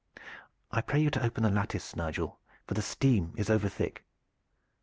I pray you to open the lattice, Nigel, for the steam is overthick.